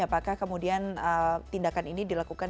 apakah kemudian tindakan ini dilakukan